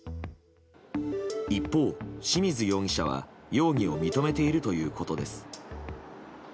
一方、清水容疑者は容疑を認めているということです。